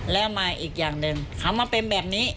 แล้วมาอีกอย่างหนึ่งเขามาเป็นแบบนี้